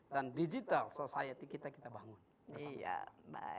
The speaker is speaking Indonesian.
dan digital society kita kita bangun